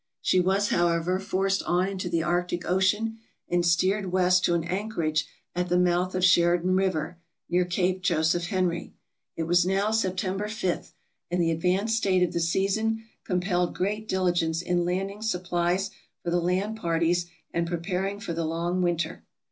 She was, however, forced on into the Arctic Ocean and steered west to an anchorage at the mouth of Sheridan River, near Cape Joseph Henry. It was now September 5, and the ad vanced state of the season compelled great diligence in land ing supplies for the land parties and preparing for the long winter.